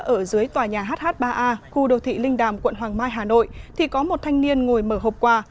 ở dưới tòa nhà hh ba a khu đô thị linh đàm quận hoàng mai hà nội thì có một thanh niên ngồi mở hộp quà